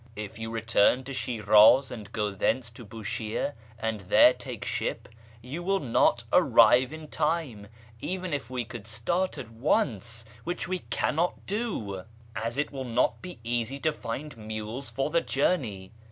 If you return to Shirdz and go thence to Bushire, and there take ship, you will not arrive in time, even if we could start at once, which we cannot do, as it will not be easy 536 A YEAR AMONGST THE PERSIANS to lind mules for the journey.